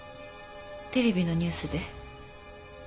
テレビのニュースで。